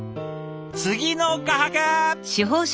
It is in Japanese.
次の画伯！